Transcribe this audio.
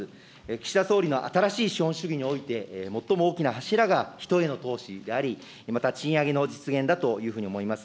岸田総理の新しい資本主義において、最も大きな柱が人への投資であり、また賃上げの実現だというふうに思います。